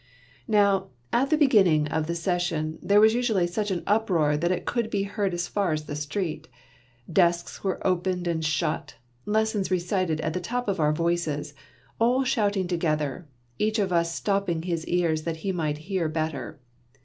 Now, at the beginning of the session there was usually such an uproar that it could be heard as far as the street. Desks were opened and shut, lessons recited at the top of our voices, «tt shouting together , each of ...us stopping his ears that he might hear better.